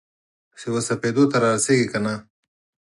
چې وسپېدو ته رارسیږې کنه؟